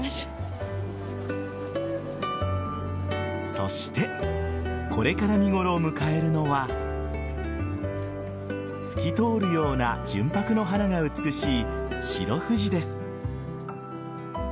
そしてこれから見頃を迎えるのは透き通るような純白の花が美しい白藤です。